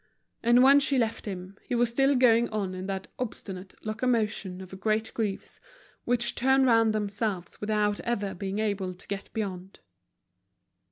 And when she left him, he was still going on in that obstinate locomotion of great griefs, which turn round themselves without ever being able to get beyond.